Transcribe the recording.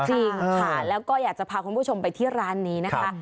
จริงค่ะแล้วก็อยากจะพาคุณผู้ชมไปที่ร้านนี้นะคะ